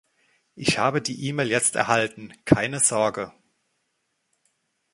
Ich habe die Email jetzt erhalten, keine Sorge!